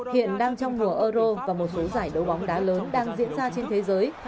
hiện đang trong mùa euro và một số giải đấu bóng đá lớn đang diễn ra trên thế giới